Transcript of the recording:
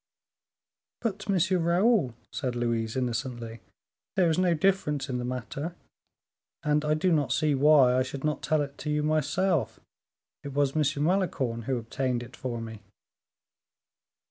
"But, M. Raoul," said Louise, innocently, "there is no difference in the matter, and I do not see why I should not tell it you myself; it was M. Malicorne who obtained it for me."